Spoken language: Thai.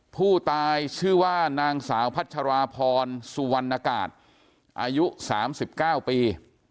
ผู้ตายชื่อว่านางสาวพัชรพรสุวรรณกาศอายุสามสิบเก้าปี